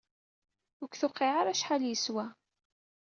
Ur k-tewqiɛ ara acḥal yeswa!